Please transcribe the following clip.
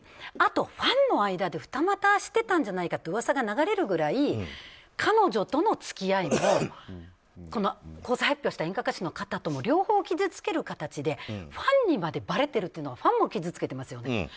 あとファンの間で二股していたんじゃないかっていう噂が流れるくらい彼女との付き合いも交際発表した演歌歌手の方も両方傷つける形でファンにまでばれているというのはファンも傷つけていますよね。